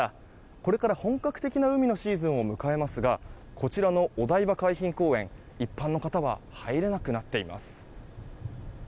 これから本格的な海のシーズンを迎えますがこちらのお台場海浜公園一般の方は入れなくなっています。